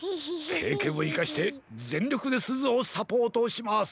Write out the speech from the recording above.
けいけんをいかしてぜんりょくですずをサポートします。